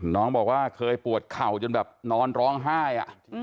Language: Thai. น้องบอกว่าเคยปวดเข่าจนแบบนอนร้องไห้